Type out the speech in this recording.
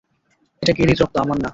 এটা গ্যারির রক্ত, আমার না।